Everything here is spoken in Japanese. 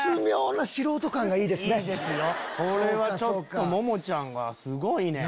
これはちょっとももちゃんはすごいね。